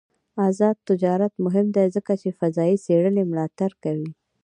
آزاد تجارت مهم دی ځکه چې فضايي څېړنې ملاتړ کوي.